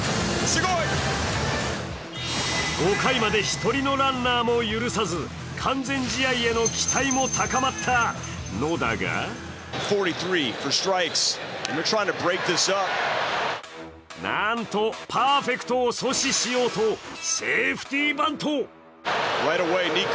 ５回まで１人のランナーも許さず完全試合への期待も高まったのだがなんとパーフェクトを阻止しようとセーフティバント。